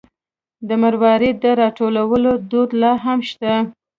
د مروارید د راټولولو دود لا هم شته.